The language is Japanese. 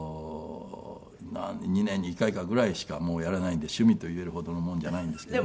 ２年に一回かぐらいしかもうやらないんで趣味と言えるほどのもんじゃないんですけど。